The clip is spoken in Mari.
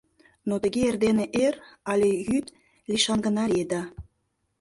Но тыге эрдене эр але йӱд лишан гына лиеда.